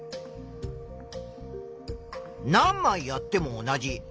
何まいやっても同じ。